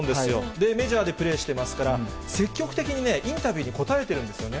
で、メジャーでプレーしてますから、積極的にね、インタビューに答えてるんですよね。